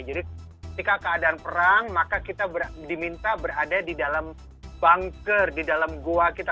jadi ketika keadaan perang maka kita diminta berada di dalam bunker di dalam goa kita